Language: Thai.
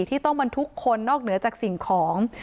ที่ต้องบรรทุกคนนอกเหนือจากสิ่งของ